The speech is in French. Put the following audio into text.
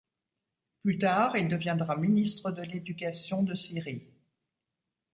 Plus tard, il deviendra Ministre de l'Éducation de Syrie.